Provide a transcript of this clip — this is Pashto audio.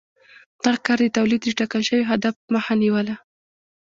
دغه کار د تولید د ټاکل شوي هدف مخه نیوله.